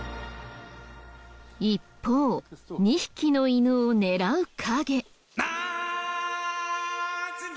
一方２匹の犬を狙う影。